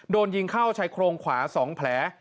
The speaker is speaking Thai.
โดนยิงเข้าชายโครงขวา๒แผล